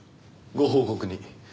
ご報告に。